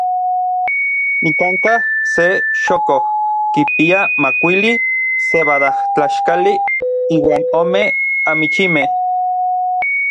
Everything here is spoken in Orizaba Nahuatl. Nikankaj se chokoj kipia makuili sebadajtlaxkali iuan ome amichimej.